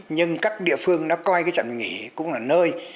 nhưng các địa phương đã coi cái trạm dừng nghỉ cũng là nơi